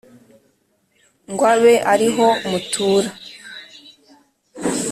ngo abe ariho mutura